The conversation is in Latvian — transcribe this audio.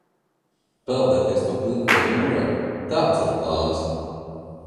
Peldēties pa pliko jūrā, tāds ir plāns!